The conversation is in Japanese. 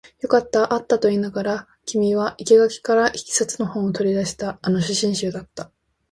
よかった、あったと言いながら、君は生垣から一冊の本を取り出した。あの写真集だった。